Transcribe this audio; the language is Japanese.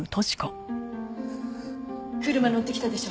車乗ってきたでしょ？